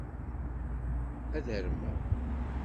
Ad armeɣ.